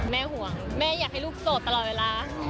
ห่วงแม่อยากให้ลูกโสดตลอดเวลา